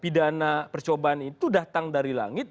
pidana percobaan itu datang dari langit